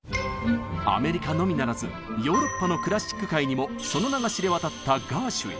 アメリカのみならずヨーロッパのクラシック界にもその名が知れ渡ったガーシュウィン。